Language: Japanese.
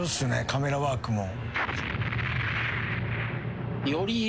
カメラワークも。